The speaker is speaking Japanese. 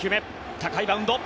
高いバウンド。